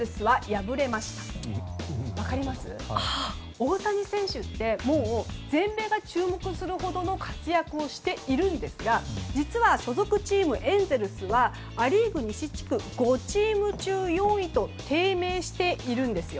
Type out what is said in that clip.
大谷選手って全米が注目するほどの活躍をしているんですが実は所属チーム、エンゼルスはア・リーグ西地区５チーム中４位と低迷しているんですよ。